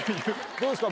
どうですか？